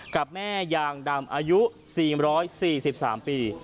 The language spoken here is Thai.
กับแม่ยางดำอายุ๔๔๓ปี